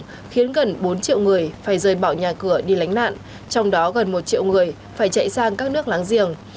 khiến gần bốn triệu người phải rời bỏ nhà cửa đi lánh nạn trong đó gần một triệu người phải chạy sang các nước láng giềng